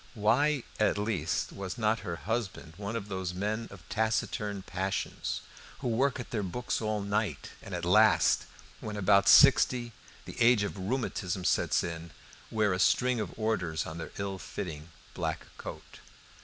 Why, at least, was not her husband one of those men of taciturn passions who work at their books all night, and at last, when about sixty, the age of rheumatism sets in, wear a string of orders on their ill fitting black coat?